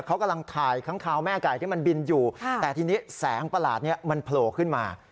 เขากำลังถ่ายค้างคาวแม่ไก่ที่มันบินอยู่แต่ทีนี้แสงประหลาดนี้มันโผล่ขึ้นมา